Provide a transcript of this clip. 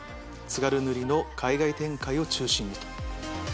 津軽塗の海外展開を中心に』。